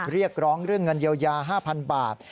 เรียกร้องเรื่องเงินเยียวยา๕๐๐๐บาท